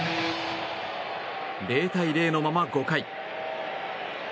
０対０のまま５回。